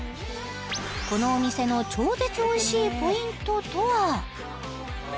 このお店の超絶おいしいポイントとは？